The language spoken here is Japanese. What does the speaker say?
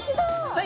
はい！